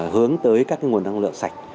hướng tới các nguồn năng lượng sạch